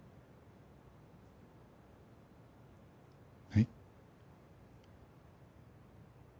はい？